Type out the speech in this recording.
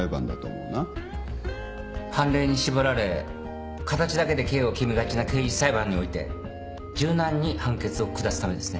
判例に縛られ形だけで刑を決めがちな刑事裁判において柔軟に判決を下すためですね。